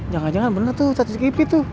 jangan jangan bener tuh satu skript itu